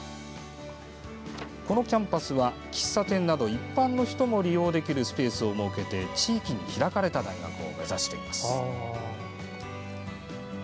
このキャンパスは喫茶店など一般の人も利用できるスペースを設けて地域に開かれた大学を目指しています。